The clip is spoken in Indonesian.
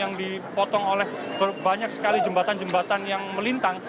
yang dipotong oleh banyak sekali jembatan jembatan yang melintang